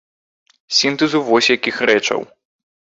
Сінтэзу вось якіх рэчаў.